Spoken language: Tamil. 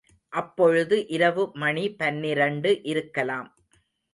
அப்பொழுது இரவு மணி பனிரண்டு இருக்கலாம்.